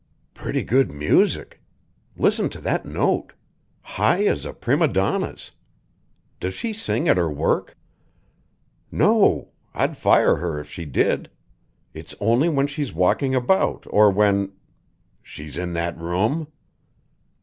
"Pretty good music. Listen to that note. High as a prima donna's. Does she sing at her work?" "No; I'd fire her if she did. It's only when she's walking about or when " "_She's in that room?